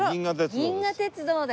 銀河鉄道で。